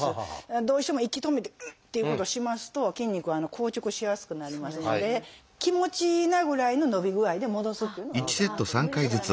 どうしても息止めてウッ！っていうことをしますと筋肉は硬直しやすくなりますので気持ちいいなぐらいの伸び具合で戻すっていうのがいいかなと思います。